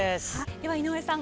では井上さん